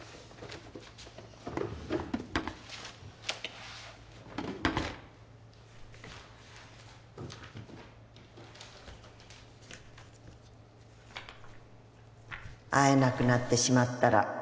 はい会えなくなってしまったら